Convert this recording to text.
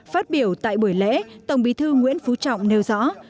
phát biểu tại buổi lễ tổng bí thư nguyễn phú trọng nêu rõ